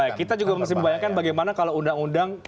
nah kita juga mesti membayangkan bagaimana kalau undang undang ru ketiga